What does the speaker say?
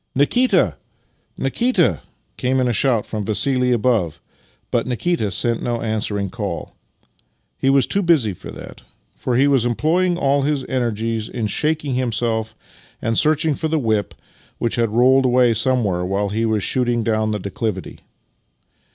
" Nikita, Nikita! " came in a shout from Vassili above, but Nikita sent no answering call. He was too busy for that, for he was employing all his energies in shaking himself and searching for the whip, which had rolled away somewhere while he was shooting down the declivity.